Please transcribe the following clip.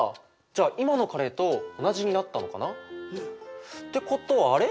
じゃあ今のカレーと同じになったのかな？ってことはあれ？